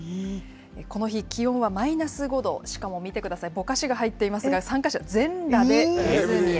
この日、気温はマイナス５度、しかも見てください、ぼかしが入っていますが、参加者、全裸で湖へ。